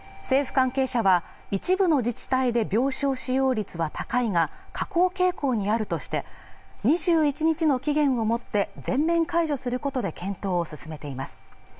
政府関係者は一部の自治体で病床使用率は高いが下降傾向にあるとして２１日の期限をもって全面解除することで検討を進めています